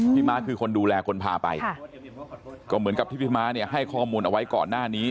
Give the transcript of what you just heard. ม้าคือคนดูแลคนพาไปก็เหมือนกับที่พี่ม้าเนี่ยให้ข้อมูลเอาไว้ก่อนหน้านี้